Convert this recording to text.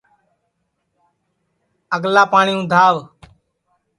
پہلکا پاٹؔی اُندھاو